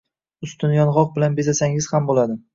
Ustini yong‘oq bilan bezasangiz ham bo‘ladi